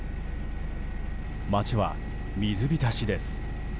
町は水浸しです。